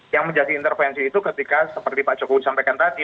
yang menjadi intervensi itu ketika seperti pak jokowi sampaikan tadi